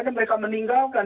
dan mereka meninggalkan